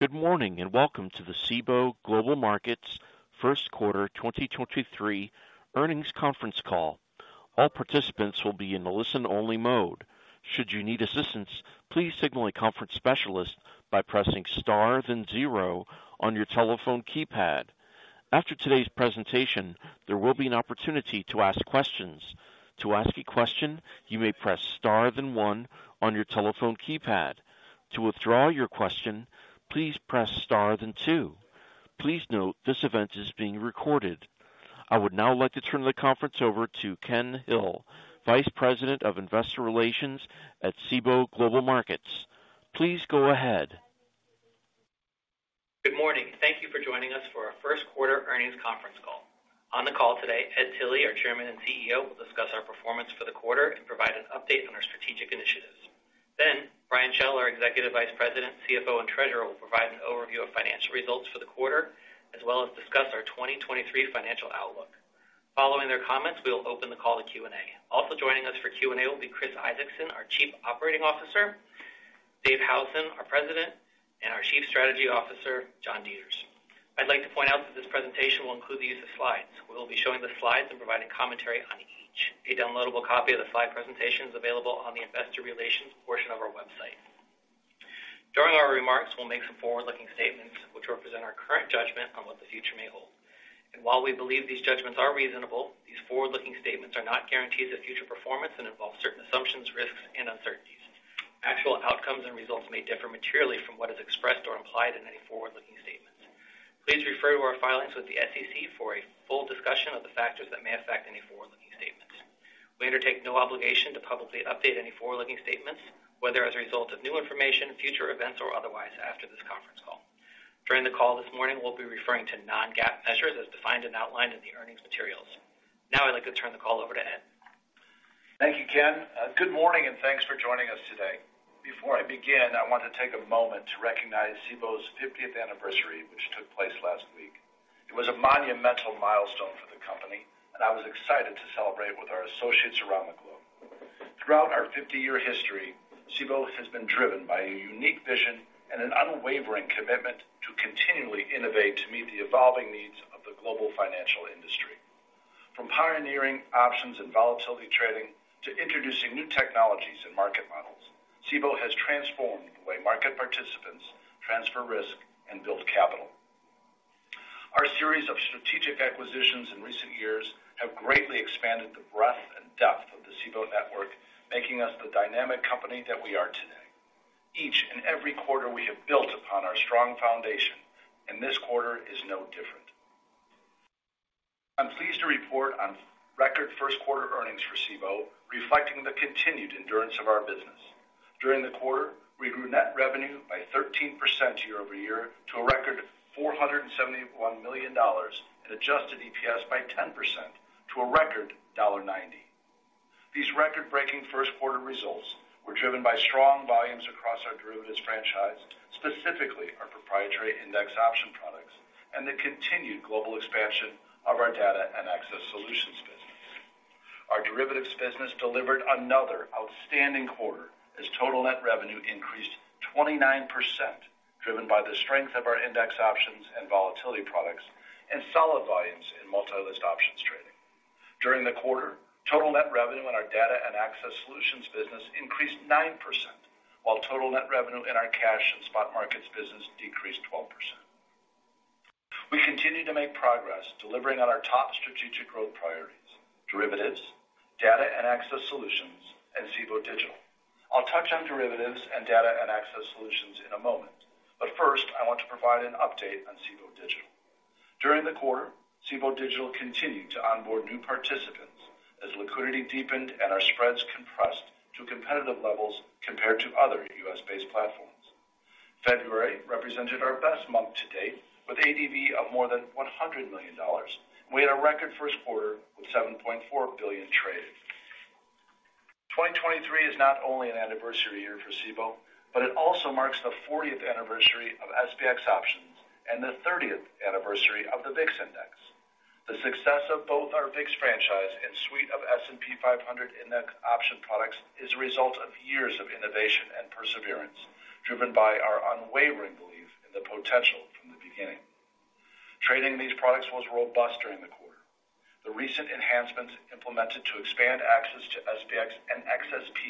Good morning, welcome to the Cboe Global Markets first quarter 2023 earnings conference call. All participants will be in a listen-only mode. Should you need assistance, please signal a conference specialist by pressing star then zero on your telephone keypad. After today's presentation, there will be an opportunity to ask questions. To ask a question, you may press star then one on your telephone keypad. To withdraw your question, please press star then two. Please note this event is being recorded. I would now like to turn the conference over to Ken Hill, Vice President of Investor Relations at Cboe Global Markets. Please go ahead. Good morning. Thank you for joining us for our first quarter earnings conference call. On the call, Ed Tilly, our Chairman and CEO, will discuss our performance for the quarter and provide an update on our strategic initiatives. Brian Schell, our Executive Vice President, CFO, and Treasurer, will provide an overview of financial results for the quarter as well as discuss our 2023 financial outlook. Following their comments, we will open the call to Q&A. Also joining us for Q&A will be Chris Isaacson, our Chief Operating Officer, Dave Howson, our President, and our Chief Strategy Officer, John Deters. I'd like to point out that this presentation will include the use of slides. We will be showing the slides and providing commentary on each. A downloadable copy of the slide presentation is available on the investor relations portion of our website. During our remarks, we'll make some forward-looking statements which represent our current judgment on what the future may hold. While we believe these judgments are reasonable, these forward-looking statements are not guarantees of future performance and involve certain assumptions, risks, and uncertainties. Actual outcomes and results may differ materially from what is expressed or implied in any forward-looking statements. Please refer to our filings with the SEC for a full discussion of the factors that may affect any forward-looking statements. We undertake no obligation to publicly update any forward-looking statements, whether as a result of new information, future events, or otherwise after this conference call. During the call this morning, we'll be referring to non-GAAP measures as defined and outlined in the earnings materials. I'd like to turn the call over to Ed. Thank you, Ken. Good morning, and thanks for joining us today. Before I begin, I want to take a moment to recognize Cboe's 50th anniversary, which took place last week. It was a monumental milestone for the company, and I was excited to celebrate with our associates around the globe. Throughout our 50-year history, Cboe has been driven by a unique vision and an unwavering commitment to continually innovate to meet the evolving needs of the global financial industry. From pioneering options and volatility trading to introducing new technologies and market models, Cboe has transformed the way market participants transfer risk and build capital. Our series of strategic acquisitions in recent years have greatly expanded the breadth and depth of the Cboe network, making us the dynamic company that we are today. Each and every quarter we have built upon our strong foundation, and this quarter is no different. I'm pleased to report on record first quarter earnings for Cboe, reflecting the continued endurance of our business. During the quarter, we grew net revenue by 13% year-over-year to a record $471 million and adjusted EPS by 10% to a record $1.90. These record-breaking first quarter results were driven by strong volumes across our Derivatives franchise, specifically our proprietary index option products and the continued global expansion of our Data and Access Solutions business. Our Derivatives business delivered another outstanding quarter as total net revenue increased 29%, driven by the strength of our index options and volatility products and solid volumes in multi-list options trading. During the quarter, total net revenue in our Data and Access Solutions business increased 9%, while total net revenue in our Cash and Spot Markets business decreased 12%. We continue to make progress delivering on our top strategic growth priorities, Derivatives, Data and Access Solutions, and Cboe Digital. I'll touch on derivatives and data and access solutions in a moment. First, I want to provide an update on Cboe Digital. During the quarter, Cboe Digital continued to onboard new participants as liquidity deepened and our spreads compressed to competitive levels compared to other U.S.-based platforms. February represented our best month to date with ADV of more than $100 million. We had a record first quarter with $7.4 billion traded. 2023 is not only an anniversary year for Cboe, but it also marks the 40th anniversary of SPX options and the 30th anniversary of the VIX index. The success of both our VIX franchise and suite of S&P 500 index option products is a result of years of innovation and perseverance, driven by our unwavering belief in the potential from the beginning. Trading these products was robust during the quarter. The recent enhancements implemented to expand access to SPX and XSP,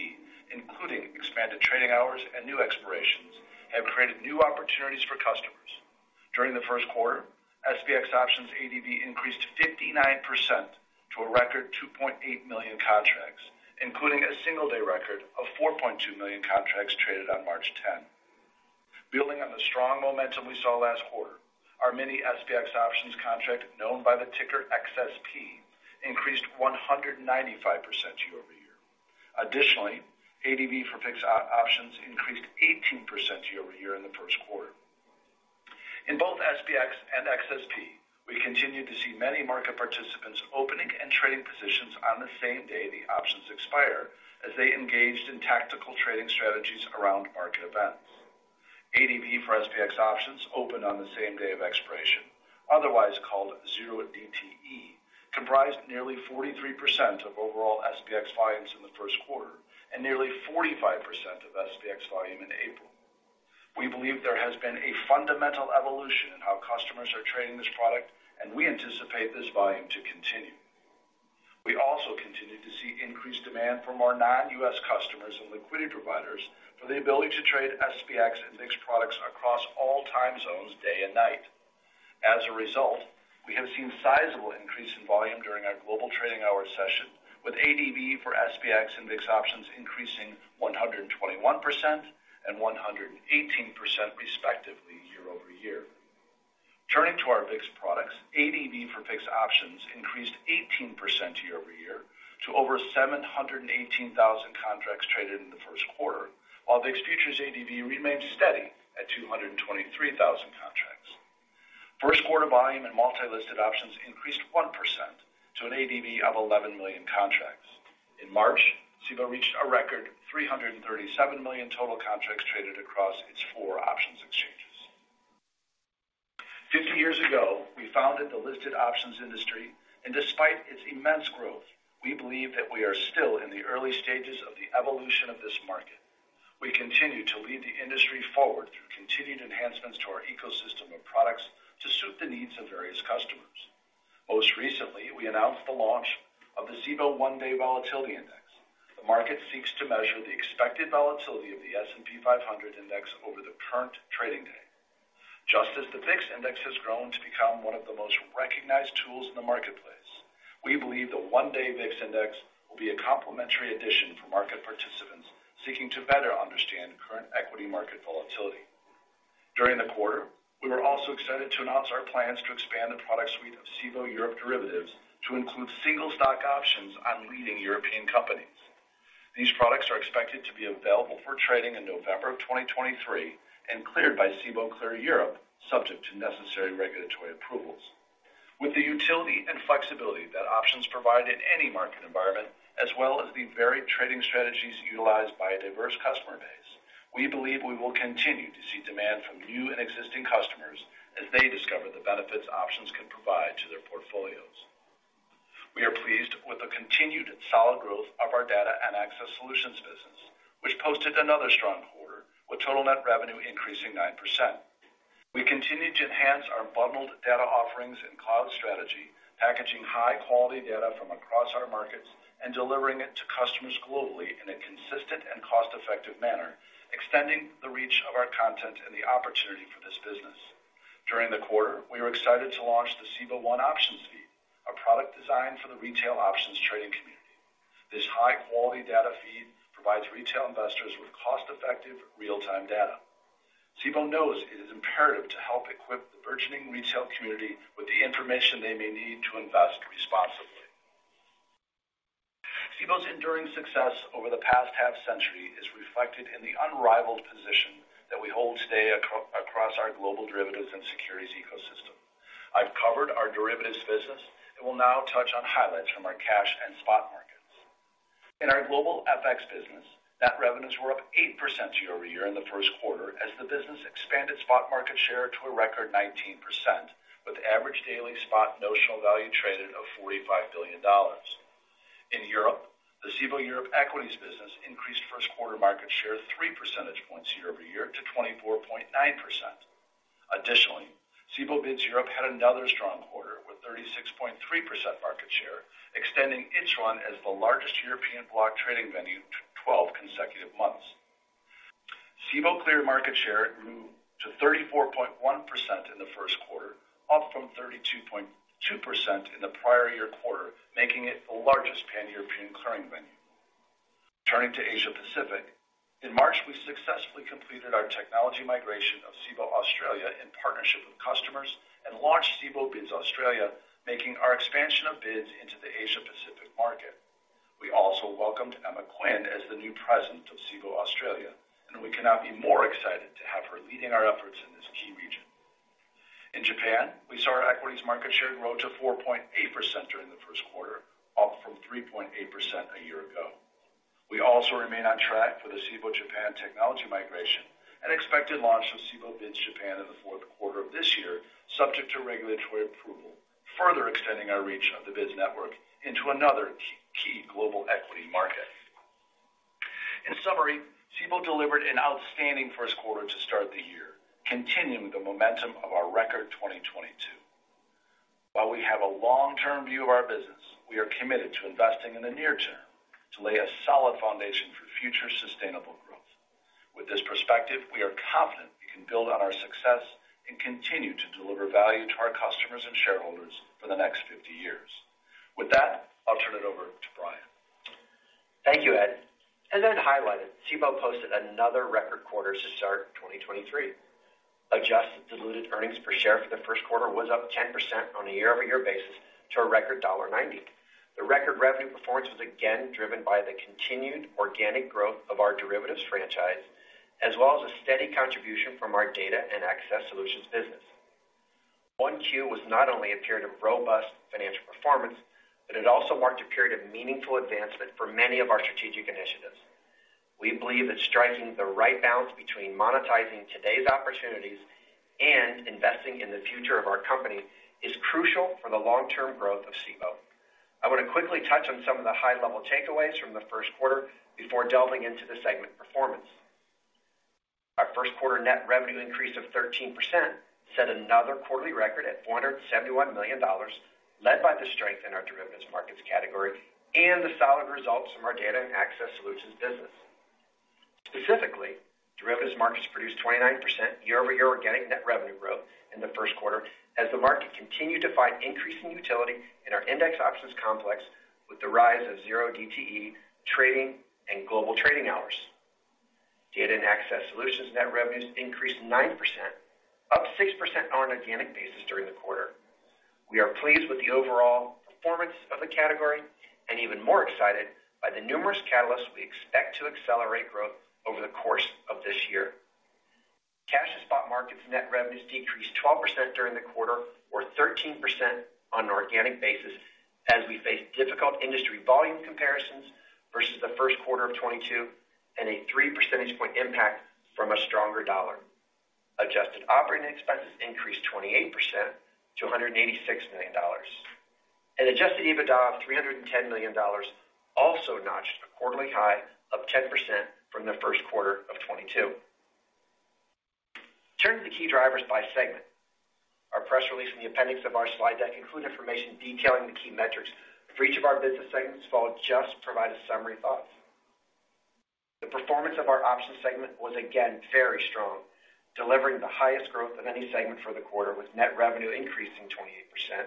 including expanded trading hours and new expirations, have created new opportunities for customers. During the first quarter, SPX options ADV increased 59% to a record 2.8 million contracts, including a single-day record of 4.2 million contracts traded on March 10. Building on the strong momentum we saw last quarter, our Mini-SPX options contract, known by the ticker XSP, increased 195% year-over-year. Additionally, ADV for VIX options increased 18% year-over-year in the first quarter. In both SPX and XSP, we continued to see many market participants opening and trading positions on the same day the options expire as they engaged in tactical trading strategies around market events. ADV for SPX options opened on the same day of expiration, otherwise called 0DTE. Comprised nearly 43% of overall SPX volumes in the first quarter and nearly 45% of SPX volume in April. We believe there has been a fundamental evolution in how customers are trading this product. We anticipate this volume to continue. We also continue to see increased demand from our non-U.S. customers and liquidity providers for the ability to trade SPX index products across all time zones day and night. As a result, we have seen sizable increase in volume during our global trading hour session, with ADV for SPX and VIX options increasing 121% and 118% respectively year-over-year. Turning to our VIX products, ADV for VIX options increased 18% year-over-year to over 718,000 contracts traded in the first quarter, while VIX futures ADV remained steady at 223,000 contracts. First quarter volume and multi-listed options increased 1% to an ADV of 11 million contracts. In March, Cboe reached a record 337 million total contracts traded across its four options exchanges. 50 years ago, we founded the listed options industry, despite its immense growth, we believe that we are still in the early stages of the evolution of this market. We continue to lead the industry forward through continued enhancements to our ecosystem of products to suit the needs of various customers. Most recently, we announced the launch of the Cboe 1-Day Volatility Index. The market seeks to measure the expected volatility of the S&P 500 index over the current trading day. Just as the VIX index has grown to become one of the most recognized tools in the marketplace, we believe the 1-Day VIX index will be a complimentary addition for market participants seeking to better understand current equity market volatility. During the quarter, we were also excited to announce our plans to expand the product suite of Cboe Europe Derivatives to include single stock options on leading European companies. These products are expected to be available for trading in November 2023 and cleared by Cboe Clear Europe subject to necessary regulatory approvals. With the utility and flexibility that options provide in any market environment as well as the varied trading strategies utilized by a diverse customer base, we believe we will continue to see demand from new and existing customers as they discover the benefits options can provide to their portfolios. We are pleased with the continued solid growth of our Data and Access Solutions business, which posted another strong quarter with total net revenue increasing 9%. We continue to enhance our bundled data offerings and cloud strategy, packaging high quality data from across our markets and delivering it to customers globally in a consistent and cost-effective manner, extending the reach of our content and the opportunity for this business. During the quarter, we were excited to launch the Cboe One Options Feed, a product designed for the retail options trading community. This high-quality data feed provides retail investors with cost-effective real-time data. Cboe knows it is imperative to help equip the burgeoning retail community with the information they may need to invest responsibly. Cboe's enduring success over the past half century is reflected in the unrivaled position that we hold today across our global derivatives and securities ecosystem. I've covered our Derivatives business and will now touch on highlights from our cash and spot markets. In our Global FX business, net revenues were up 8% year-over-year in the first quarter as the business expanded spot market share to a record 19%, with average daily spot notional value traded of $45 billion. In Europe, the Cboe Europe Equities business increased first quarter market share 3 percentage points year-over-year to 24.9%. Additionally, Cboe BIDS Europe had another strong quarter with 36.3% market share, extending its run as the largest European block trading venue to 12 consecutive months. Cboe Clear market share grew to 34.1% in the first quarter, up from 32.2% in the prior year quarter, making it the largest pan-European clearing venue. Turning to Asia Pacific, in March, we successfully completed our technology migration of Cboe Australia in partnership with customers and launched Cboe BIDS Australia, making our expansion of BIDS into the Asia Pacific market. We also welcomed Emma Quinn as the new President of Cboe Australia, and we cannot be more excited to have her leading our efforts in this key region. In Japan, we saw our equities market share grow to 4.8% during the first quarter, up from 3.8% a year ago. We also remain on track for the Cboe Japan technology migration and expected launch of Cboe BIDS Japan in the fourth quarter of this year, subject to regulatory approval, further extending our reach of the BIDS network into another key global equity market. In summary, Cboe delivered an outstanding first quarter to start the year, continuing the momentum of our record 2022. While we have a long-term view of our business, we are committed to investing in the near term to lay a solid foundation for future sustainable growth. With this perspective, we are confident we can build on our success and continue to deliver value to our customers and shareholders for the next 50 years. With that, I'll turn it over to Brian. Thank you, Ed. As Ed highlighted, Cboe posted another record quarter to start 2023. Adjusted diluted earnings per share for the first quarter was up 10% on a year-over-year basis to a record $1.90. The record revenue performance was again driven by the continued organic growth of our derivatives franchise, as well as a steady contribution from our Data and Access Solutions business. 1Q was not only a period of robust financial performance, but it also marked a period of meaningful advancement for many of our strategic initiatives. We believe that striking the right balance between monetizing today's opportunities and investing in the future of our company is crucial for the long-term growth of Cboe. I want to quickly touch on some of the high-level takeaways from the first quarter before delving into the segment performance. Our first quarter net revenue increase of 13% set another quarterly record at $471 million, led by the strength in our Derivatives markets category and the solid results from our Data and Access Solutions business. Specifically, Derivatives markets produced 29% year-over-year organic net revenue growth in the first quarter as the market continued to find increasing utility in our index options complex with the rise of 0DTE trading and global trading hours. Data and Access Solutions net revenues increased 9%, up 6% on an organic basis during the quarter. We are pleased with the overall performance of the category and even more excited by the numerous catalysts we expect to accelerate growth over the course of this year. Cash to Spot Markets net revenues decreased 12% during the quarter or 13% on an organic basis as we face difficult industry volume comparisons versus the first quarter of 2022 and a 3 percentage point impact from a stronger dollar. Adjusted operating expenses increased 28% to $186 million. Adjusted EBITDA of $310 million also notched a quarterly high of 10% from the first quarter of 2022. Turning to the key drivers by segment. Our press release in the appendix of our slide deck include information detailing the key metrics for each of our business segments, I'll just provide a summary thoughts. The performance of our options segment was again very strong, delivering the highest growth of any segment for the quarter, with net revenue increasing 28%.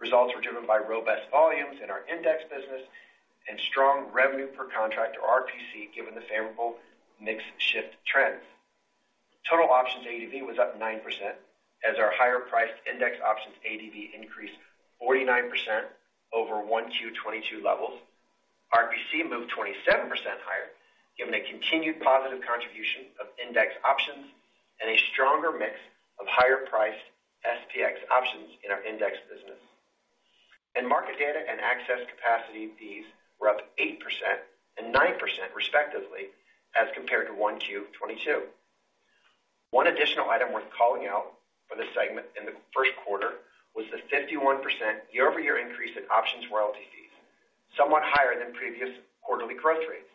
Results were driven by robust volumes in our index business and strong revenue per contract, or RPC, given the favorable mix shift trends. Total options ADV was up 9% as our higher-priced index options ADV increased 49% over 1Q 2022 levels. RPC moved 27% higher, given a continued positive contribution of index options and a stronger mix of higher-priced SPX options in our index business. Market data and access capacity fees were up 8% and 9% respectively as compared to 1Q 2022. One additional item worth calling out for this segment in the first quarter was the 51% year-over-year increase in options royalty fees, somewhat higher than previous quarterly growth rates.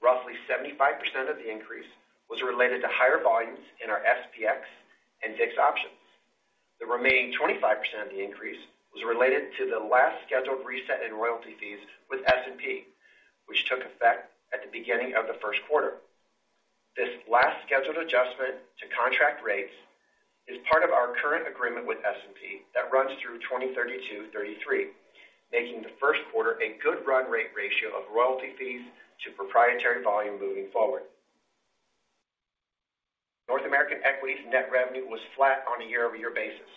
Roughly 75% of the increase was related to higher volumes in our SPX index options. The remaining 25% of the increase was related to the last scheduled reset in royalty fees with S&P, which took effect at the beginning of the first quarter. This last scheduled adjustment to contract rates is part of our current agreement with S&P that runs through 2032-2033, making the first quarter a good run rate ratio of royalty fees to proprietary volume moving forward. North American Equities net revenue was flat on a year-over-year basis.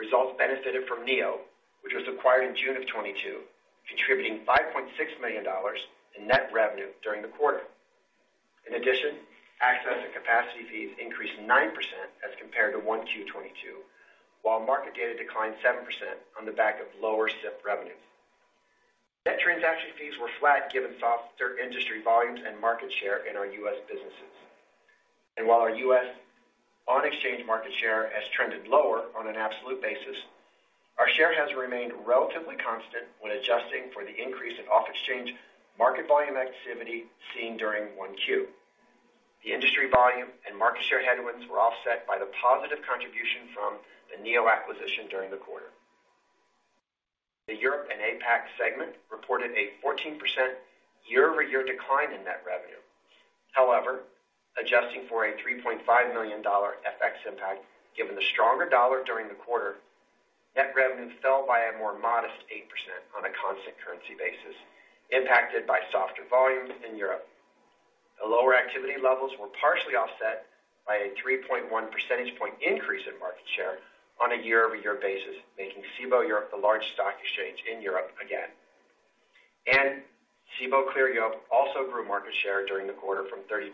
Results benefited from NEO, which was acquired in June of 2022, contributing $5.6 million in net revenue during the quarter. In addition, access and capacity fees increased 9% as compared to 1Q 2022, while market data declined 7% on the back of lower SIP revenues. Net transaction fees were flat given softer industry volumes and market share in our U.S. businesses. While our U.S. on-exchange market share has trended lower on an absolute basis, our share has remained relatively constant when adjusting for the increase in off-exchange market volume activity seen during 1Q. The industry volume and market share headwinds were offset by the positive contribution from the NEO acquisition during the quarter. The Europe and APAC segment reported a 14% year-over-year decline in net revenue. However, adjusting for a $3.5 million FX impact, given the stronger dollar during the quarter, net revenue fell by a more modest 8% on a constant currency basis, impacted by softer volumes in Europe. The lower activity levels were partially offset by a 3.1 percentage point increase in market share on a year-over-year basis, making Cboe Europe the largest stock exchange in Europe again. Cboe Clear Europe also grew market share during the quarter from 32%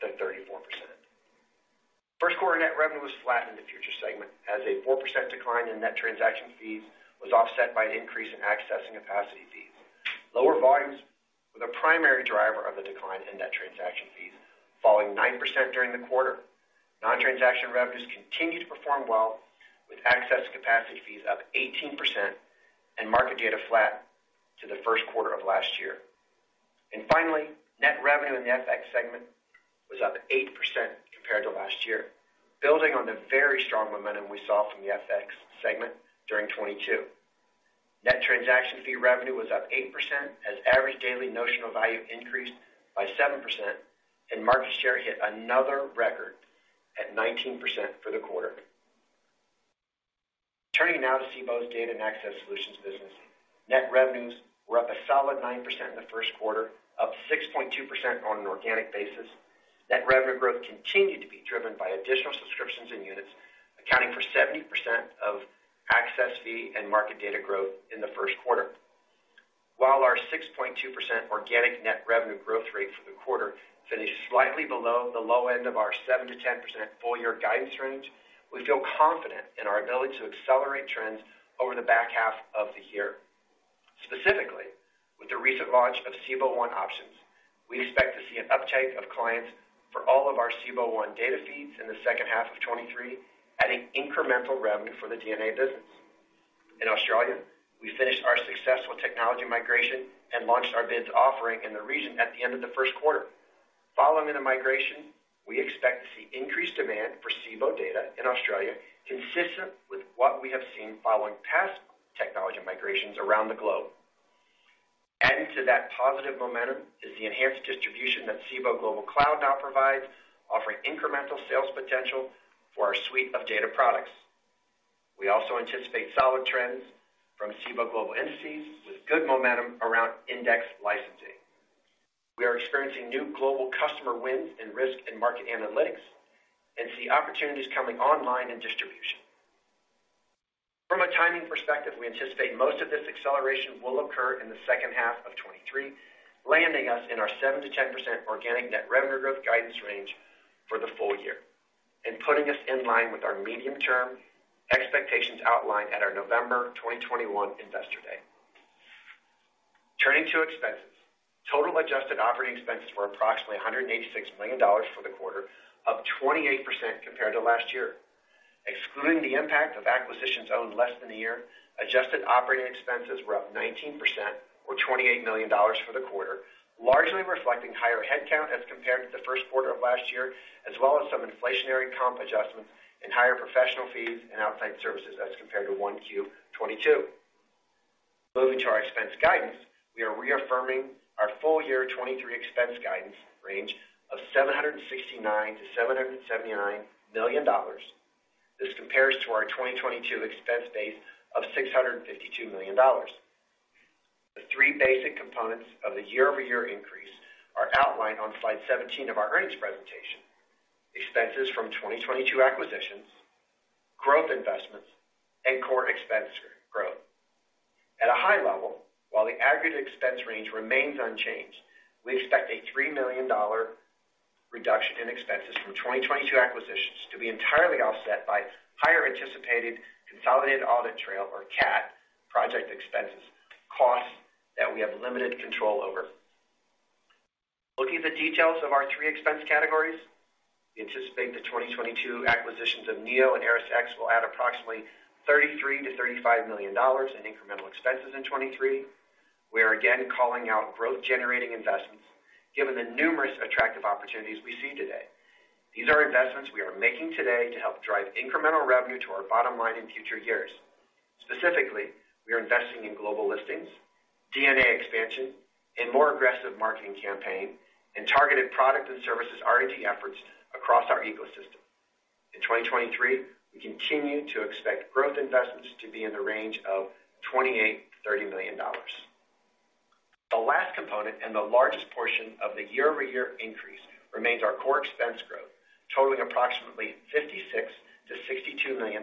then 34%. First quarter net revenue was flat in the futures segment as a 4% decline in net transaction fees was offset by an increase in access and capacity fees. Lower volumes were the primary driver of the decline in net transaction fees, falling 9% during the quarter. Non-transaction revenues continued to perform well, with access capacity fees up 18% and market data flat to the first quarter of last year. Finally, net revenue in the FX segment was up 8% compared to last year, building on the very strong momentum we saw from the FX segment during 2022. Net transaction fee revenue was up 8% as average daily notional value increased by 7% and market share hit another record at 19% for the quarter. Turning now to Cboe's Data and Access Solutions business, net revenues were up a solid 9% in the first quarter, up 6.2% on an organic basis. Net revenue growth continued to be driven by additional subscriptions and units, accounting for 70% of access fee and market data growth in the first quarter. While our 6.2% organic net revenue growth rate for the quarter finished slightly below the low end of our 7%-10% full-year guidance range, we feel confident in our ability to accelerate trends over the back half of the year. Specifically, with the recent launch of Cboe One Options, we expect to see an uptake of clients for all of our Cboe One data fees in the second half of 2023, adding incremental revenue for the D&A business. In Australia, we finished our successful technology migration and launched our BIDS offering in the region at the end of the first quarter. Following the migration, we expect to see increased demand for Cboe data in Australia, consistent with what we have seen following past technology migrations around the globe. Adding to that positive momentum is the enhanced distribution that Cboe Global Cloud now provides, offering incremental sales potential for our suite of data products. We also anticipate solid trends from Cboe Global Indices with good momentum around index licensing. We are experiencing new global customer wins in risk and market analytics and see opportunities coming online in distribution. From a timing perspective, we anticipate most of this acceleration will occur in the second half of 2023, landing us in our 7%-10% organic net revenue growth guidance range for the full year and putting us in line with our medium-term expectations outlined at our November 2021 Investor Day. Turning to expenses. Total adjusted operating expenses were approximately $186 million for the quarter, up 28% compared to last year. Excluding the impact of acquisitions owned less than a year, adjusted operating expenses were up 19% or $28 million for the quarter, largely reflecting higher headcount as compared to the first quarter of last year, as well as some inflationary comp adjustments and higher professional fees and outside services as compared to 1Q 2022. Moving to our expense guidance, we are reaffirming our full-year 2023 expense guidance range of $769 million-$779 million. This compares to our 2022 expense base of $652 million. The three basic components of the year-over-year increase are outlined on slide 17 of our earnings presentation. Expenses from 2022 acquisitions, growth investments, and core expense growth. At a high level, while the aggregate expense range remains unchanged, we expect a $3 million reduction in expenses from 2022 acquisitions to be entirely offset by higher anticipated Consolidated Audit Trail, or CAT, project expenses, costs that we have limited control over. Looking at the details of our three expense categories, we anticipate the 2022 acquisitions of NEO and ErisX will add approximately $33 million-$35 million in incremental expenses in 2023. We are again calling out growth-generating investments given the numerous attractive opportunities we see today. These are investments we are making today to help drive incremental revenue to our bottom line in future years. Specifically, we are investing in global listings, D&A expansion, a more aggressive marketing campaign, and targeted product and services R&D efforts across our ecosystem. In 2023, we continue to expect growth investments to be in the range of $28 million-$30 million. The last component and the largest portion of the year-over-year increase remains our core expense growth, totaling approximately $56 million-$62 million.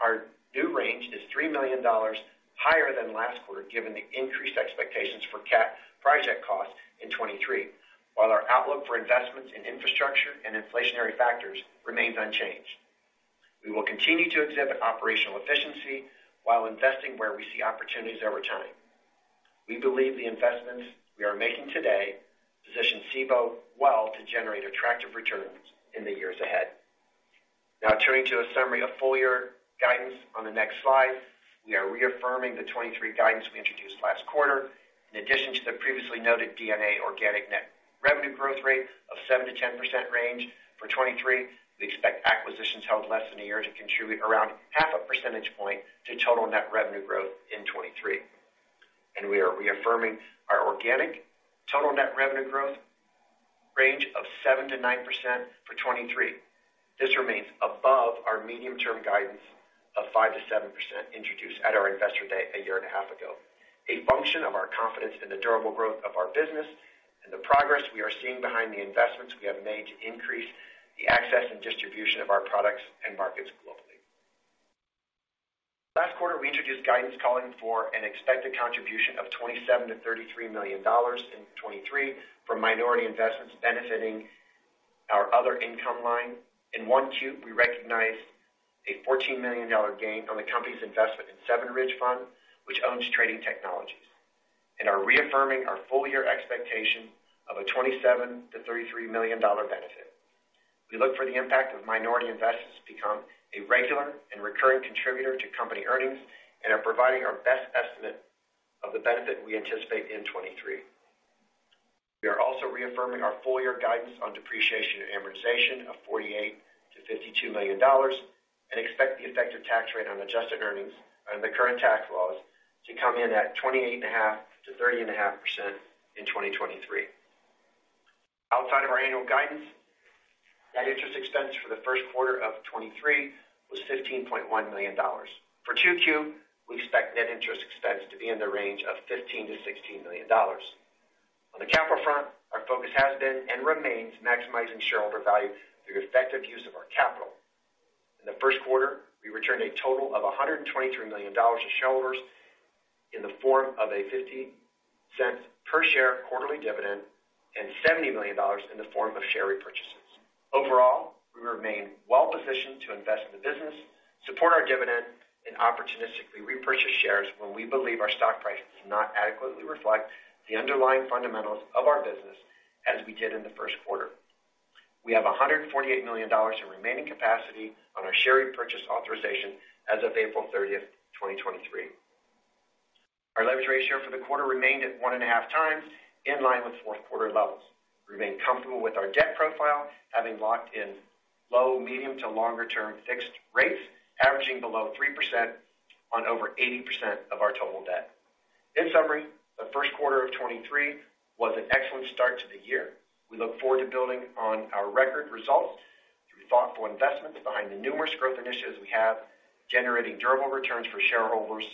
Our new range is $3 million higher than last quarter, given the increased expectations for CAT project costs in 2023, while our outlook for investments in infrastructure and inflationary factors remains unchanged. We will continue to exhibit operational efficiency while investing where we see opportunities over time. We believe the investments we are making today position Cboe well to generate attractive returns in the years ahead. Turning to a summary of full-year guidance on the next slide. We are reaffirming the 2023 guidance we introduced last quarter. In addition to the previously noted D&A organic net revenue growth rate of 7%-10% range for 2023, we expect acquisitions held less than a year to contribute 0.5 percentage point to total net revenue growth in 2023. We are reaffirming our organic total net revenue growth range of 7%-9% for 2023. This remains above our medium-term guidance of 5%-7% introduced at our Investor Day a 1.5 years ago, a function of our confidence in the durable growth of our business and the progress we are seeing behind the investments we have made to increase the access and distribution of our products and markets globally. Last quarter, we introduced guidance calling for an expected contribution of $27 million-$33 million in 2023 from minority investments benefiting our other income line. In 1Q, we recognized a $14 million gain on the company's investment in 7RIDGE Fund, which owns Trading Technologies, and are reaffirming our full-year expectation of a $27 million-$33 million benefit. We look for the impact of minority investments to become a regular and recurring contributor to company earnings and are providing our best estimate of the benefit we anticipate in 2023. We are also reaffirming our full-year guidance on depreciation and amortization of $48 million-$52 million, and expect the effective tax rate on adjusted earnings under the current tax laws to come in at 28.5%-30.5% in 2023. Outside of our annual guidance, net interest expense for the first quarter of 2023 was $15.1 million. For 2Q, we expect net interest expense to be in the range of $15 million-$16 million. On the capital front, our focus has been and remains maximizing shareholder value through effective use of our capital. In the first quarter, we returned a total of $123 million to shareholders in the form of a $0.50 per share quarterly dividend and $70 million in the form of share repurchases. Overall, we remain well-positioned to invest in the business, support our dividend, and opportunistically repurchase shares when we believe our stock price does not adequately reflect the underlying fundamentals of our business as we did in the first quarter. We have $148 million in remaining capacity on our share repurchase authorization as of April 30th, 2023. Our leverage ratio for the quarter remained at 1.5x, in line with fourth quarter levels. We remain comfortable with our debt profile, having locked in low, medium to longer term fixed rates, averaging below 3% on over 80% of our total debt. In summary, the first quarter of 2023 was an excellent start to the year. We look forward to building on our record results through thoughtful investments behind the numerous growth initiatives we have, generating durable returns for shareholders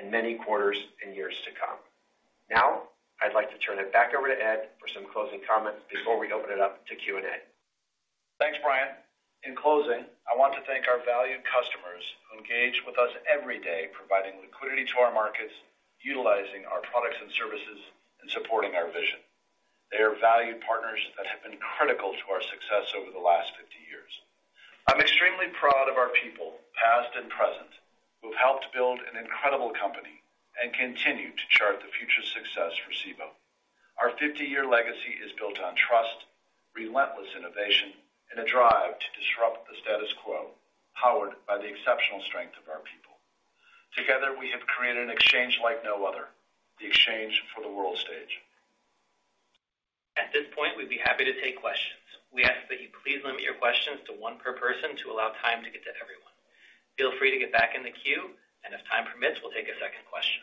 in many quarters and years to come. I'd like to turn it back over to Ed for some closing comments before we open it up to Q&A. Thanks, Brian. In closing, I want to thank our valued customers who engage with us every day, providing liquidity to our markets, utilizing our products and services, and supporting our vision. They are valued partners that have been critical to our success over the last 50 years. I'm extremely proud of our people, past and present, who have helped build an incredible company and continue to chart the future success for Cboe. Our 50-year legacy is built on trust, relentless innovation, and a drive to disrupt the status quo, powered by the exceptional strength of our people. Together, we have created an exchange like no other, the exchange for the world stage. At this point, we'd be happy to take questions. We ask that you please limit your questions to one per person to allow time to get to everyone. Feel free to get back in the queue, and if time permits, we'll take a second question.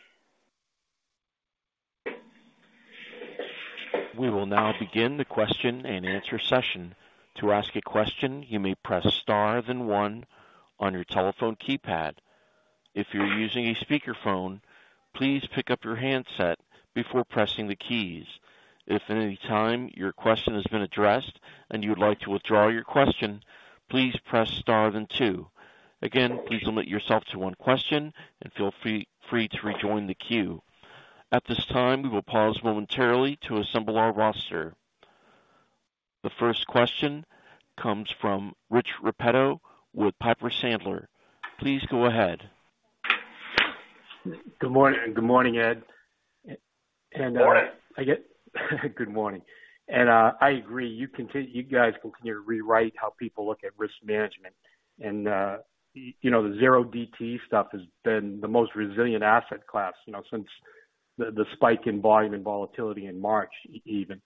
We will now begin the Q&A session. To ask a question, you may press star then one on your telephone keypad. If you're using a speakerphone, please pick up your handset before pressing the keys. If at any time your question has been addressed and you would like to withdraw your question, please press star then two. Again, please limit yourself to one question and feel free to rejoin the queue. At this time, we will pause momentarily to assemble our roster. The first question comes from Rich Repetto with Piper Sandler. Please go ahead. Good morning, good morning, Ed. Morning. Good morning. I agree. You guys continue to rewrite how people look at risk management. You know, the 0DTE stuff has been the most resilient asset class, you know, since the spike in volume and volatility in March even.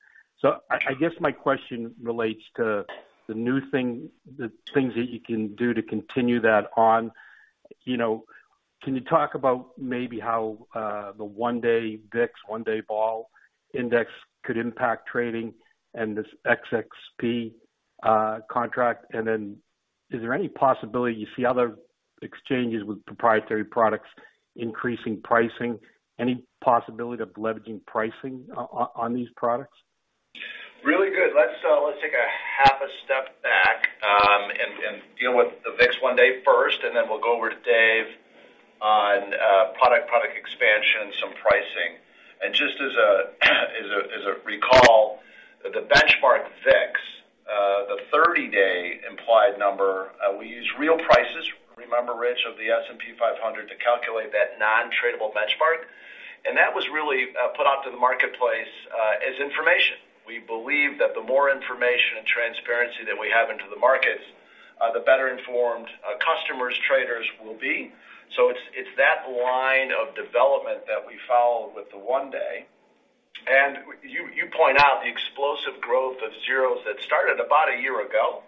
I guess my question relates to the new thing, the things that you can do to continue that on. You know, can you talk about maybe how the 1-Day VIX, 1-Day Vol Index could impact trading and this SPX contract? Is there any possibility you see other exchanges with proprietary products increasing pricing? Any possibility of leveraging pricing on these products? Really good. Let's take a half a step back, and deal with the VIX 1-Day first, then we'll go over to Dave on product expansion, some pricing. Just as a recall, the benchmark VIX, the 30-day implied number, we use real prices, remember Rich, of the S&P 500 to calculate that non-tradable benchmark. That was really put out to the marketplace as information. We believe that the more information and transparency that we have into the markets, the better informed customers, traders will be. It's that line of development that we follow with the 1-Day. You point out the explosive growth of 0DTE that started about a year ago,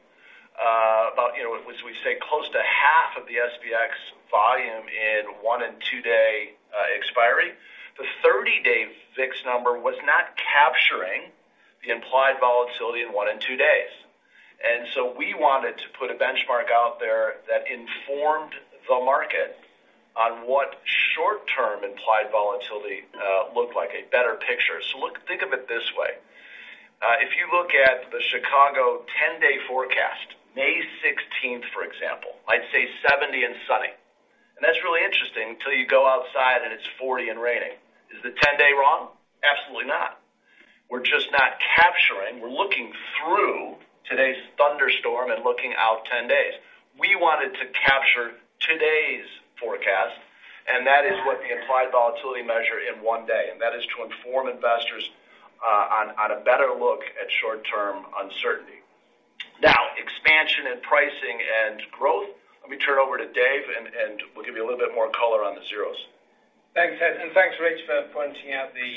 you know, as we say, close to half of the SPX volume in one and two-day expiry. The 30-day VIX number was not capturing the implied volatility in one and two days. We wanted to put a benchmark out there that informed the market on what short-term implied volatility looked like, a better picture. Think of it this way. If you look at the Chicago 10-day forecast, May 16th, for example, I'd say 70 and sunny. That's really interesting until you go outside and it's 40 and raining. Is the 10-day wrong? Absolutely not. We're just not capturing. We're looking through today's thunderstorm and looking out 10 days. We wanted to capture today's forecast, and that is what the implied volatility measure in 1-Day. That is to inform investors on a better look at short-term uncertainty. Expansion and pricing and growth, let me turn it over to Dave and we'll give you a little bit more color on the zeros. Thanks, Ed. Thanks, Rich, for pointing out the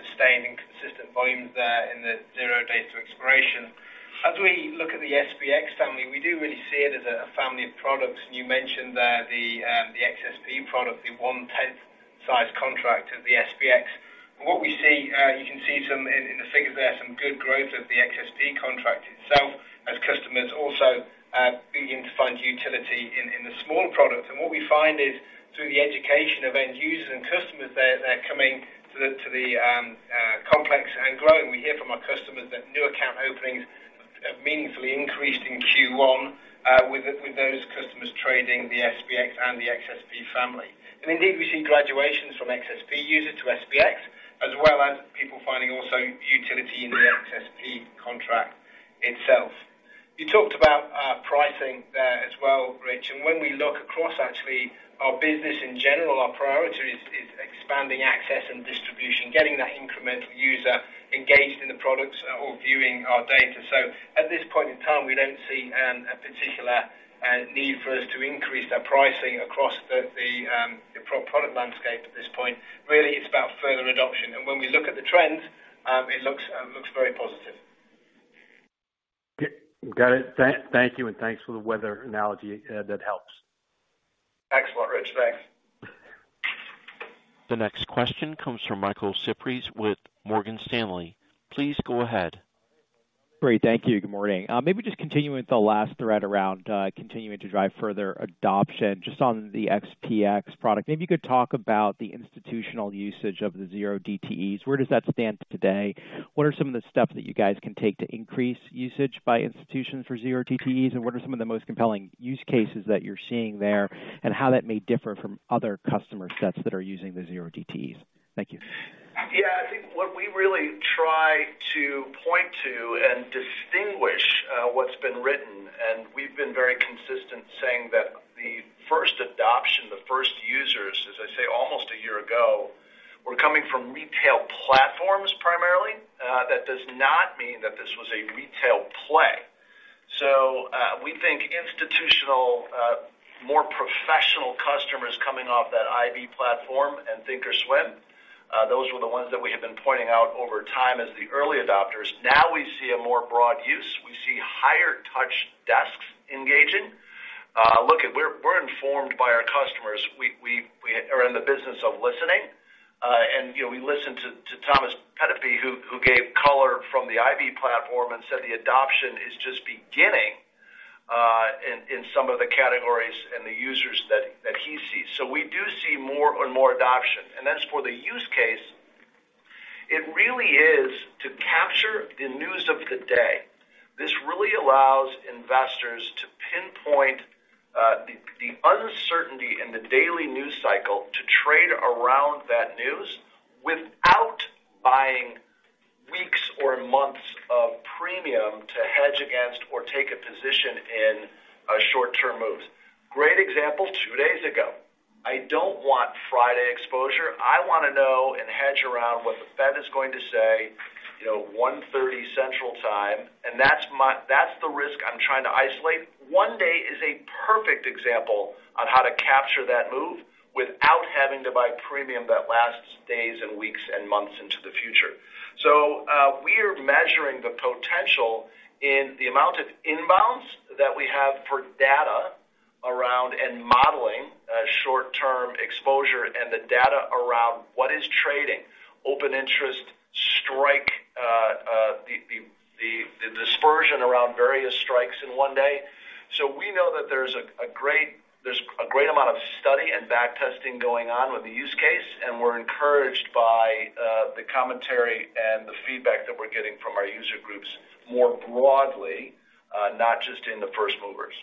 sustained and consistent volumes there in the zero days to expiration. As we look at the SPX family, we do really see it as a family of products. You mentioned there the SPX product, the 1/10 size contract of the SPX. What we see, you can see some in the figures there, some good growth of the SPX contract itself as customers also begin to find utility in the small product. What we find is through the education of end users and customers there, they're coming to the complex and growing. We hear from our customers that new account openings Have meaningfully increased in Q1, with those customers trading the SPX and the XSP family. Indeed, we see graduations from XSP user to SPX, as well as people finding also utility in the XSP contract itself. You talked about pricing there as well, Rich, when we look across actually our business in general, our priority is expanding access and distribution, getting that incremental user engaged in the products or viewing our data. At this point in time, we don't see a particular need for us to increase our pricing across the product landscape at this point. Really, it's about further adoption. When we look at the trends, it looks very positive. Okay. Got it. Thank you, and thanks for the weather analogy. That helps. Excellent, Rich. Thanks. The next question comes from Michael Cyprys with Morgan Stanley. Please go ahead. Great. Thank you. Good morning. Maybe just continuing with the last thread around, continuing to drive further adoption, just on the SPX product, maybe you could talk about the institutional usage of the 0DTEs. Where does that stand today? What are some of the steps that you guys can take to increase usage by institutions for 0DTEs? What are some of the most compelling use cases that you're seeing there, and how that may differ from other customer sets that are using the 0DTEs? Thank you. Yeah. I think what we really try to point to and distinguish, what's been written, and we've been very consistent saying that the first adoption, the first users, as I say, almost a year ago, were coming from retail platforms primarily. That does not mean that this was a retail play. We think institutional, more professional customers coming off that IB platform and thinkorswim, those were the ones that we have been pointing out over time as the early adopters. Now we see a more broad use. We see higher touch desks engaging. Look, we're informed by our customers. We are in the business of listening, and, you know, we listen to Thomas Peterffy, who gave color from the IB platform and said the adoption is just beginning in some of the categories and the users that he sees. We do see more and more adoption. As for the use case, it really is to capture the news of the day. This really allows investors to pinpoint the uncertainty in the daily news cycle to trade around that news without buying weeks or months of premium to hedge against or take a position in short-term moves. Great example, two days ago. I don't want Friday exposure. I want to know and hedge around what the Fed is going to say, you know, 1:30 P.M. Central Time, and that's the risk I'm trying to isolate. 0DTE is a perfect example on how to capture that move without having to buy premium that lasts days and weeks and months into the future. We are measuring the potential in the amount of inbounds that we have for data around and modeling short-term exposure and the data around what is trading. Open interest strike, the dispersion around various strikes in 0DTE. We know that there's a great amount of study and back testing going on with the use case, and we're encouraged by the commentary and the feedback that we're getting from our user groups more broadly, not just in the first movers.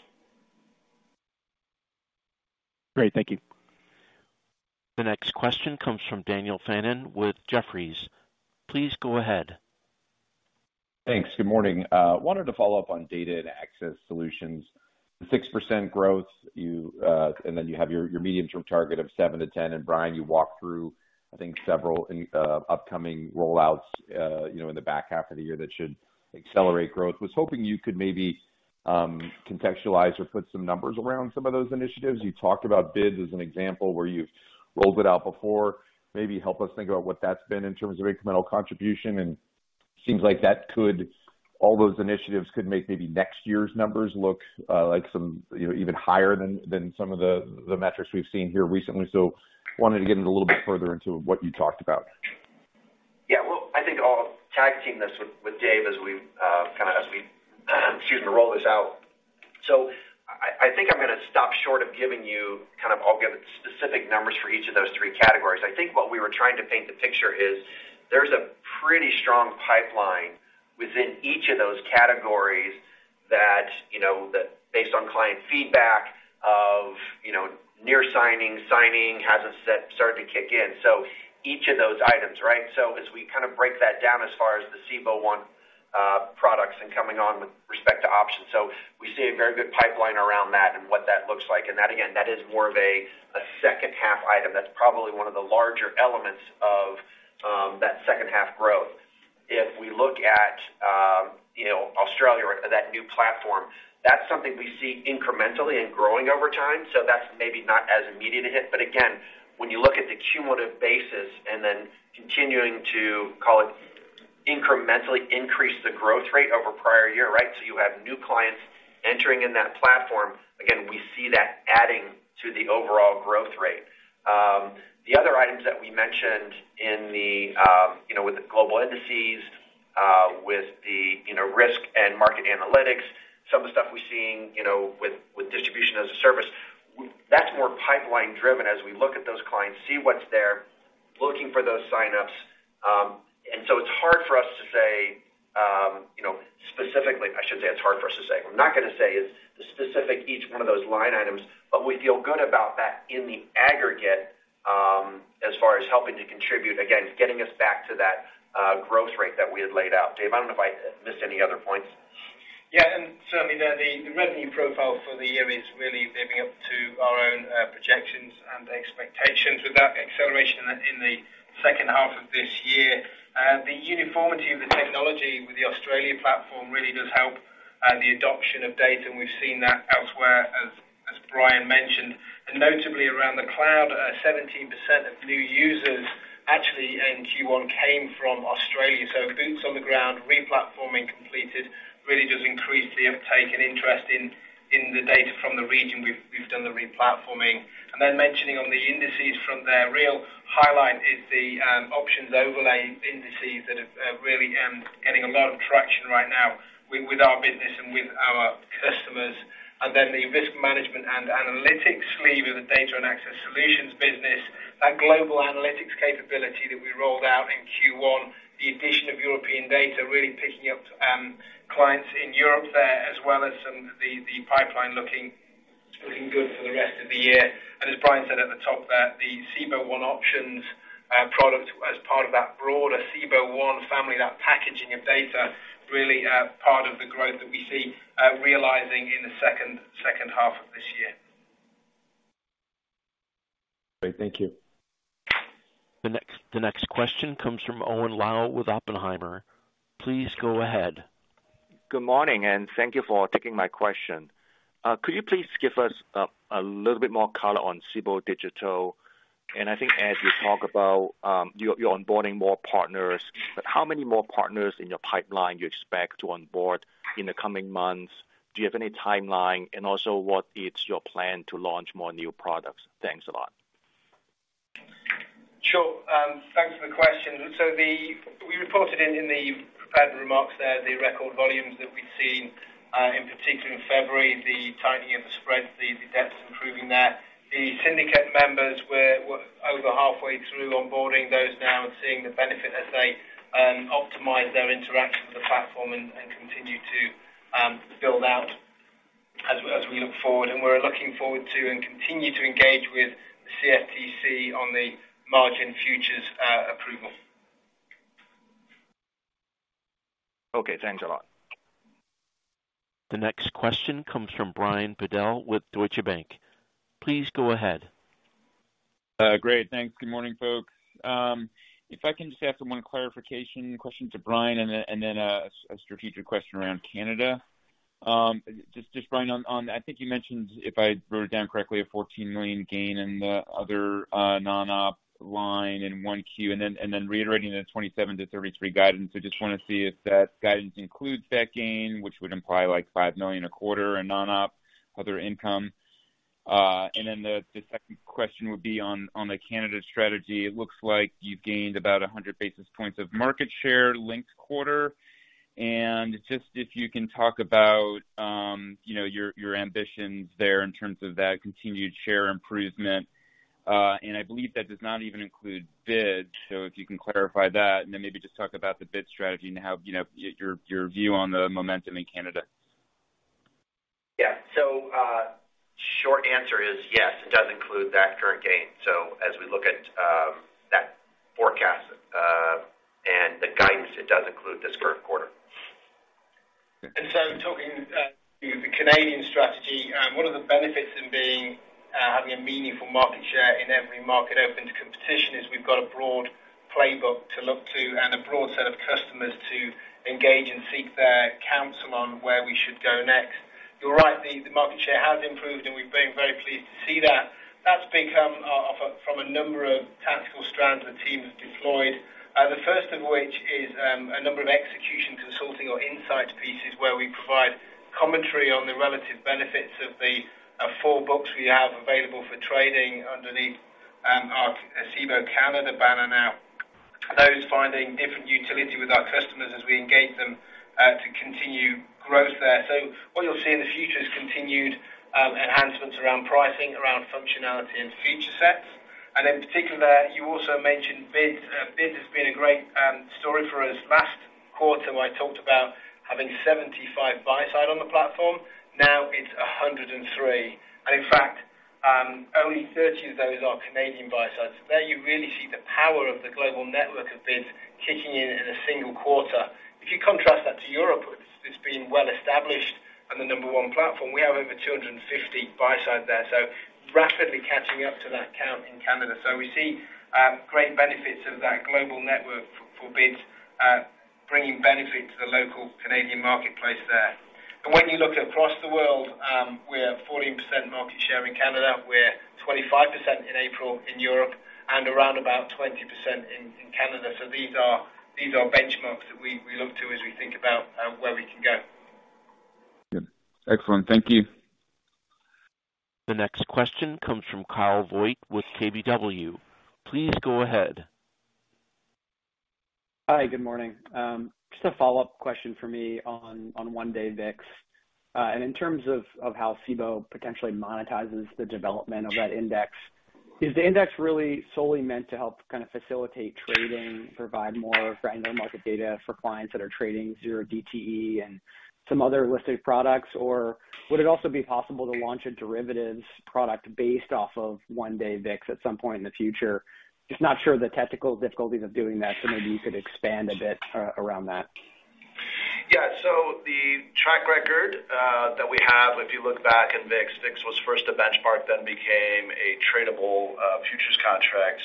Great. Thank you. The next question comes from Daniel Fannon with Jefferies. Please go ahead. Thanks. Good morning. Wanted to follow up on data and access solutions. The 6% growth you, and then you have your medium-term target of 7%-10%. Brian, you walked through, I think, several upcoming rollouts, you know, in the back half of the year that should accelerate growth. Was hoping you could maybe contextualize or put some numbers around some of those initiatives. You talked about BIDS as an example where you've rolled it out before. Maybe help us think about what that's been in terms of incremental contribution. Seems like that could all those initiatives could make maybe next year's numbers look like some, you know, even higher than some of the metrics we've seen here recently. Wanted to get in a little bit further into what you talked about. Yeah. Well, I think I'll tag team this with Dave as we roll this out. I think I'm gonna stop short of giving you kind of all given specific numbers for each of those three categories. I think what we were trying to paint the picture is there's a pretty strong pipeline within each of those categories that, you know, that based on client feedback of, you know, near signing hasn't started to kick in. Each of those items, right? As we kind of break that down as far as the Cboe One products and coming on with respect to options. We see a very good pipeline around that and what that looks like. That, again, that is more of a second half item. That's probably one of the larger elements of that second half growth. If we look at, you know, Australia or that new platform, that's something we see incrementally and growing over time. That's maybe not as immediate a hit. Again, when you look at the cumulative basis and then continuing to call it incrementally increase the growth rate over prior year, right? You have new clients entering in that platform, again, we see that adding to the overall growth rate. The other items that we mentioned in the, you know, with the Global Indices, with the, you know, risk and market analytics, some of the stuff we're seeing, you know, with distribution-as-a-service. That more pipeline driven as we look at those clients, see what's there, looking for those sign-ups. It's hard for us to say, you know. I should say, it's hard for us to say. What I'm not gonna say is the specific each one of those line items, but we feel good about that in the aggregate, as far as helping to contribute, again, getting us back to that growth rate that we had laid out. Dave, I don't know if I missed any other points. Yeah. Certainly there, the revenue profile for the year is really living up to our own projections and expectations with that acceleration in the second half of this year. The uniformity of the technology with the Australia platform really does help the adoption of data, and we've seen that elsewhere, as Brian mentioned. Notably around the cloud, 17% of new users actually in Q1 came from Australia, so boots on the ground, replatforming completed, really does increase the uptake and interest in the data from the region we've done the replatforming. Mentioning on the indices from there, real highlight is the options overlay indices that have really getting a lot of traction right now with our business and with our customers. The risk management and analytics sleeve of the Data and Access Solutions business, that global analytics capability that we rolled out in Q1, the addition of European data really picking up clients in Europe there, as well as some the pipeline looking good for the rest of the year. As Brian said at the top there, the Cboe One options product as part of that broader Cboe One family, that packaging of data really part of the growth that we see realizing in the second half of this year. Great. Thank you. The next question comes from Owen Lau with Oppenheimer. Please go ahead. Good morning, and thank you for taking my question. could you please give us a little bit more color on Cboe Digital? I think as you talk about, you're onboarding more partners, but how many more partners in your pipeline you expect to onboard in the coming months? Do you have any timeline? Also, what is your plan to launch more new products? Thanks a lot. Sure. Thanks for the question. We reported in the prepared remarks there, the record volumes that we've seen, in particular in February, the tightening of the spreads, the depths improving there. The syndicate members, we're over halfway through onboarding those now and seeing the benefit as they optimize their interaction with the platform and continue to build out as we look forward. We're looking forward to and continue to engage with the CFTC on the margin futures approval. Okay, thanks a lot. The next question comes from Brian Bedell with Deutsche Bank. Please go ahead. Great. Thanks. Good morning, folks. If I can just ask for one clarification question to Brian and then a strategic question around Canada. Brian, on... I think you mentioned, if I wrote it down correctly, a $14 million gain in the other non-op line in 1Q, and then reiterating the $27 million-$33 million guidance. I just want to see if that guidance includes that gain, which would imply like $5 million a quarter in non-op other income. The second question would be on the Canada strategy. It looks like you've gained about 100 basis points of market share linked quarter. Just if you can talk about, you know, your ambitions there in terms of that continued share improvement. I believe that does not even include BIDS, so if you can clarify that and then maybe just talk about the bid strategy and how, you know, your view on the momentum in Canada. Yeah. Short answer is yes, it does include that current gain. As we look at, that forecast, and the guidance, it does include this current quarter. Talking with the Canadian strategy, one of the benefits in being having a meaningful market share in every market open to competition is we've got a broad playbook to look to and a broad set of customers to engage and seek their counsel on where we should go next. You're right, the market share has improved, and we've been very pleased to see that. That's become from a number of tactical strands the team has deployed. The first of which is a number of execution consulting or insights pieces where we provide commentary on the relative benefits of the four books we have available for trading underneath our Cboe Canada banner now. Those finding different utility with our customers as we engage them to continue growth there. What you'll see in the future is continued enhancements around pricing, around functionality and feature sets. In particular, you also mentioned BIDS. BIDS has been a great story for us. Last quarter, when I talked about having 75 buy side on the platform, now it's 103. In fact, only 30 of those are Canadian buy side. There you really see the power of the global network of BIDS kicking in in a single quarter. If you contrast that to Europe, it's been well established on the number one platform. We have over 250 buy side there, so rapidly catching up to that count in Canada. We see great benefits of that global network for BIDS, bringing benefit to the local Canadian marketplace there. When you look across the world, we're 14% market share in Canada, we're 25% in April in Europe, and around about 20% in Canada. These are benchmarks that we look to as we think about where we can go. Good. Excellent. Thank you. The next question comes from Kyle Voigt with KBW. Please go ahead. Hi, good morning. Just a follow-up question for me on 1-Day VIX, in terms of how Cboe potentially monetizes the development of that index. Is the index really solely meant to help kind of facilitate trading, provide more granular market data for clients that are trading 0DTE and some other listed products, or would it also be possible to launch a derivatives product based off of 1-Day VIX at some point in the future? Just not sure of the technical difficulties of doing that, so maybe you could expand a bit around that. The track record that we have, if you look back at VIX was first a benchmark, then became a tradable futures contract.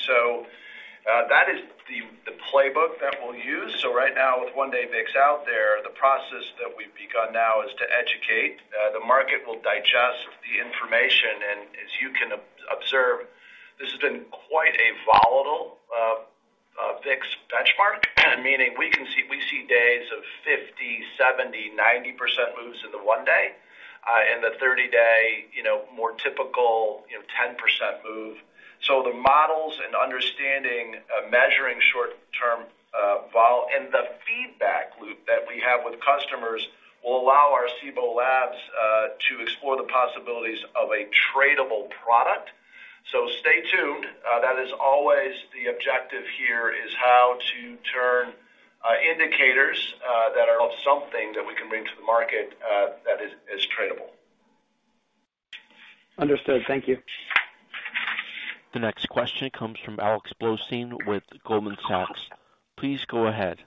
That is the playbook that we'll use. Right now, with one-day VIX out there, the process that we've begun now is to educate. The market will digest the information. As you can observe, this has been quite a volatile VIX benchmark. Meaning we see days of 50%, 70%, 90% moves in the one day. In the 30-day, you know, more typical, you know, 10% move. The models and understanding measuring short-term vol and the feedback loop that we have with customers will allow our Cboe Labs to explore the possibilities of a tradable product. Stay tuned. That is always the objective here, is how to turn indicators, that are of something that we can bring to the market, that is tradable. Understood. Thank you. The next question comes from Alex Blostein with Goldman Sachs. Please go ahead.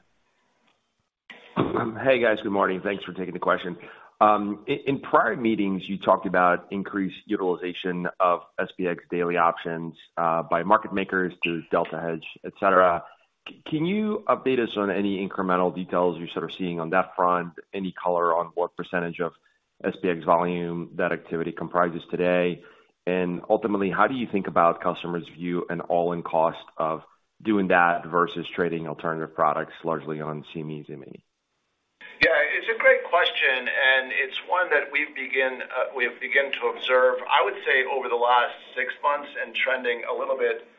Hey, guys. Good morning. Thanks for taking the question. In prior meetings, you talked about increased utilization of SPX daily options, by market makers through delta hedge, et cetera. Can you update us on any incremental details you're sort of seeing on that front? Any color on what percentage of SPX volume that activity comprises today? And ultimately, how do you think about customers' view and all-in cost of doing that versus trading alternative products largely on CME's [ME]? Yeah, it's a great question, and it's one that we have begun to observe, I would say, over the last six months and trending a little bit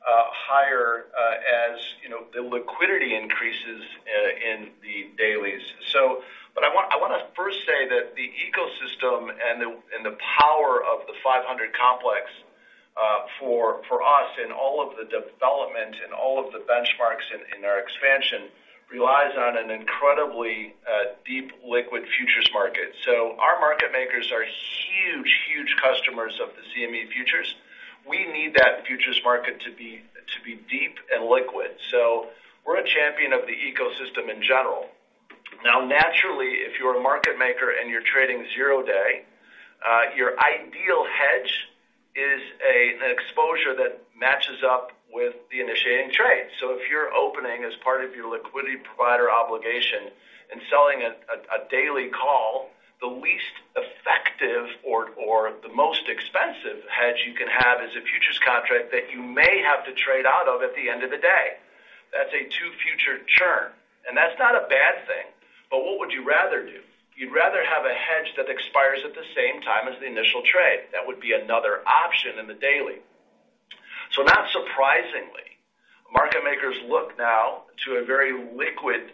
higher, as, you know, the liquidity increases in the dailies. But I wanna first say that the ecosystem and the power of the 500 complex for us in all of the development and all of the benchmarks in our expansion relies on an incredibly deep liquid futures market. Our market makers are huge customers of the CME futures. We need that futures market to be deep and liquid. We're a champion of the ecosystem in general. Naturally, if you're a market maker and you're trading zero-day, your ideal hedge is an exposure that matches up with the initiating trade. If you're opening as part of your liquidity provider obligation and selling a daily call, the least effective or the most expensive hedge you can have is a futures contract that you may have to trade out of at the end of the day. That's a two future churn, and that's not a bad thing. What would you rather do? You'd rather have a hedge that expires at the same time as the initial trade. That would be another option in the daily. Not surprisingly, market makers look now to a very liquid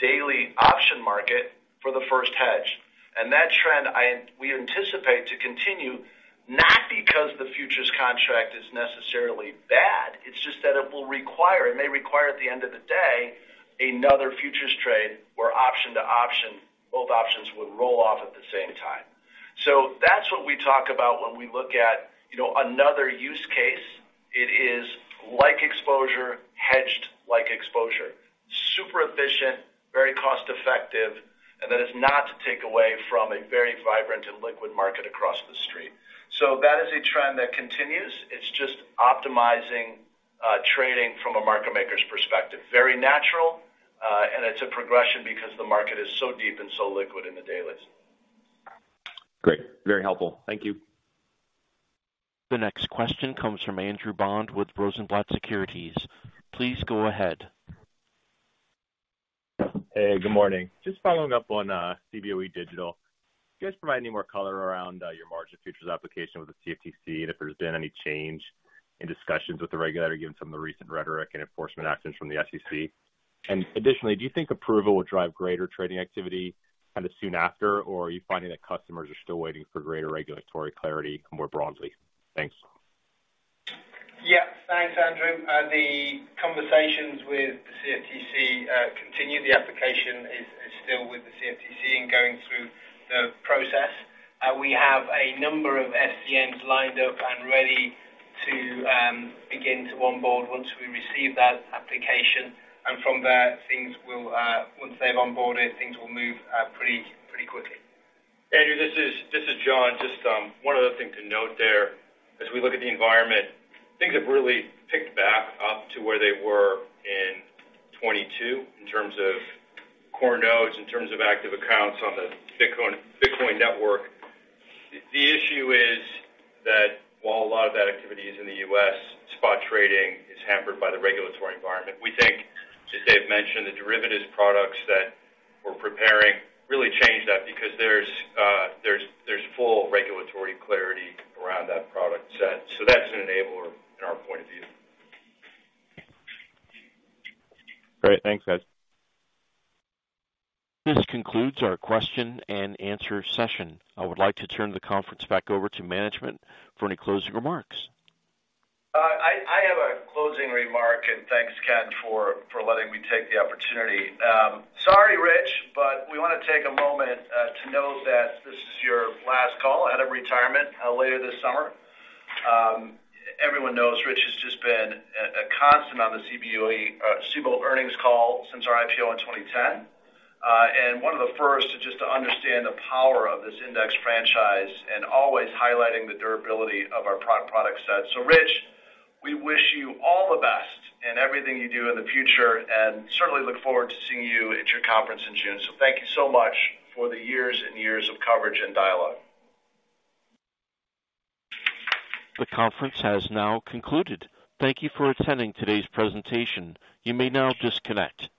daily option market for the first hedge. That trend we anticipate to continue, not because the futures contract is necessarily bad, it's just that it will require, it may require at the end of the day, another futures trade where option to option, both options would roll off at the same time. That's what we talk about when we look at, you know, another use case. It is like exposure, hedged like exposure. Super efficient, very cost effective, that is not to take away from a very vibrant and liquid market across the street. That is a trend that continues. It's just optimizing trading from a market maker's perspective. Very natural, it's a progression because the market is so deep and so liquid in the dailies. Great. Very helpful. Thank you. The next question comes from Andrew Bond with Rosenblatt Securities. Please go ahead. Hey, good morning. Just following up on Cboe Digital. Can you guys provide any more color around your margin futures application with the CFTC, and if there's been any change in discussions with the regulator, given some of the recent rhetoric and enforcement actions from the SEC? Additionally, do you think approval will drive greater trading activity kind of soon after? Or are you finding that customers are still waiting for greater regulatory clarity more broadly? Thanks. Yeah. Thanks, Andrew. The conversations with the CFTC continue. The application is still with the CFTC and going through the process. We have a number of SCNs lined up and ready to begin to onboard once we receive that application. From there, things will once they've onboarded, things will move pretty quickly. Andrew, this is John. Just one other thing to note there. As we look at the environment, things have really ticked back up to where they were in 2022 in terms of core nodes, in terms of active accounts on the Bitcoin network. The issue is that while a lot of that activity is in the U.S., spot trading is hampered by the regulatory environment. We think, as Dave mentioned, the Derivatives products that we're preparing really change that because there's full regulatory clarity around that product set. That's an enabler in our point of view. Great. Thanks, guys. This concludes our Q&A session. I would like to turn the conference back over to management for any closing remarks. I have a closing remark, and thanks, Ken, for letting me take the opportunity. Sorry, Rich, we wanna take a moment to note that this is your last call out of retirement later this summer. Everyone knows Rich has just been a constant on the Cboe earnings call since our IPO in 2010. One of the first just to understand the power of this index franchise and always highlighting the durability of our pro-product set. Rich, we wish you all the best in everything you do in the future, and certainly look forward to seeing you at your conference in June. Thank you so much for the years and years of coverage and dialogue. The conference has now concluded. Thank you for attending today's presentation. You may now disconnect.